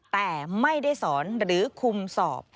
แต่ไม่ได้สอนหรือคุมสอบ